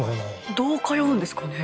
どう通うんですかね